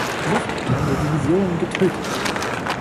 Luftlandedivision getötet.